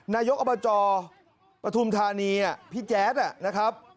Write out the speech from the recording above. นายกอบจปฐุมธานีพี่แจ๊ดนะครับ